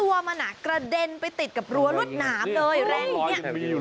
ตัวมันกระเด็นไปติดกับรั้วรวดหนามเลยแรงอย่างนี้